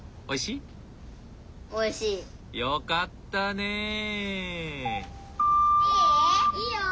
おいしい！